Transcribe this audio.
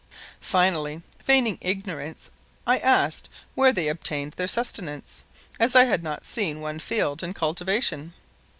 Finally, feigning ignorance, I asked where they obtained their sustenance, as I had not seen one field in cultivation.